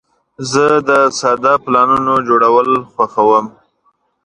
زه د ساده پلانونو جوړول خوښوم.